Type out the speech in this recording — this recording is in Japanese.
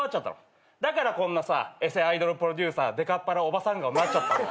だからこんなさえせアイドルプロデューサーでかっぱらおばさん顔になっちゃったんだよ。